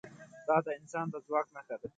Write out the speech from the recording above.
دا د انسان د ځواک نښه ده.